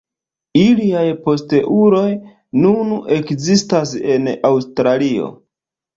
Iliaj posteuloj nun ekzistas en Aŭstralio.